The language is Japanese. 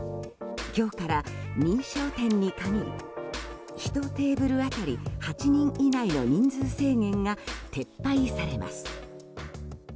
今日から認証店に限り１テーブル当たり８人以内の人数制限が撤廃されます。